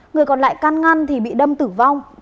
người còn lại can ngăn thì bị đâm tử vong